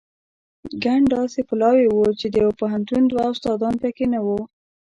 ګڼ داسې پلاوي وو چې د یوه پوهنتون دوه استادان په کې نه وو.